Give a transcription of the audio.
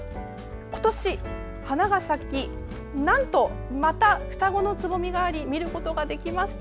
今年、花が咲きなんとまた双子のつぼみがあり見ることができました。